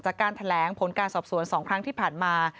จากการแถลงผลการสอบสวน๒ครั้งที่ผ่านมา